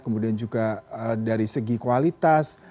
kemudian juga dari segi kualitas